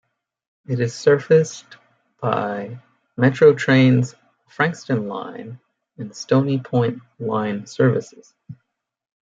It is serviced by Metro Trains' Frankston line and Stony Point line services.